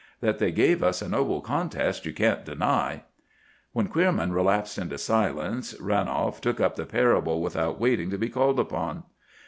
That they gave us a noble contest you can't deny.'" When Queerman relapsed into silence, Ranolf took up the parable without waiting to be called upon.